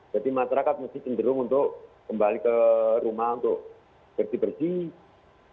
jadi masyarakat mesti cenderung untuk kembali ke rumah untuk bersih bersih